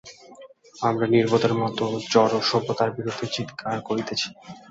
আমরা নির্বোধের মত জড় সভ্যতার বিরুদ্ধে চীৎকার করিতেছি।